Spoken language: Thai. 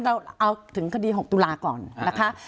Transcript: เราเอาถึงคดี๖ตุลาก่อนนะคะ